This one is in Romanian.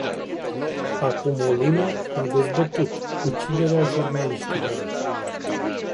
Acum o lună, am dezbătut uciderea jurnaliștilor.